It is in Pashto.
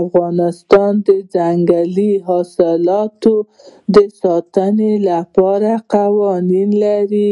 افغانستان د ځنګلي حاصلاتو د ساتنې لپاره قوانین لري.